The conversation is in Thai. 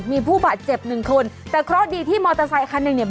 มีผู้บาดเจ็บหนึ่งคนแต่เคราะห์ดีที่มอเตอร์ไซคันหนึ่งเนี่ย